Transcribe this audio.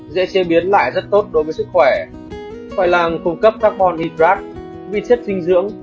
dễ chế biến lại rất tốt đối với sức khỏe phải làm cung cấp carbon hydrate vi chất dinh dưỡng